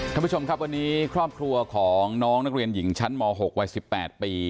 คันประชมครับวันนี้ครอบครัวของลงนักเรียนหญิงชั้นม๖ไว้๑๘ปี